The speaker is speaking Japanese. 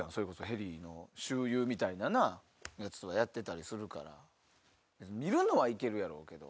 ヘリの周遊みたいなやつとかやってたりするから見るのは行けるやろうけど。